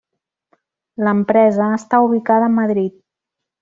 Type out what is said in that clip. L'empresa està ubicada a Madrid.